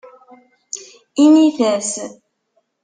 Init-as.